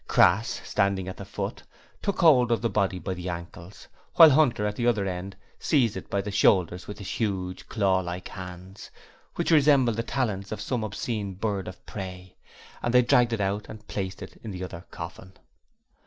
Crass, standing at the foot, took hold of the body by the ankles, while Hunter at the other end seized it by the shoulders with his huge, clawlike hands, which resembled the talons of some obscene bird of prey, and they dragged it out and placed it in the other coffin.